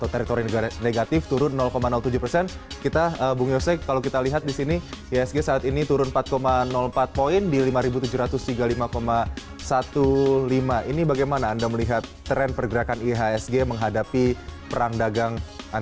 terima kasih pak presiden